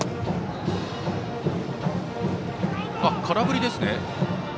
空振りですね。